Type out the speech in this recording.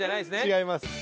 違います。